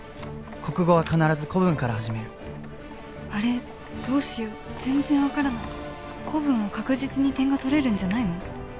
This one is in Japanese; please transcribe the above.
国語は必ず古文から始めるあれどうしよう全然分からない古文は確実に点が取れるんじゃないの？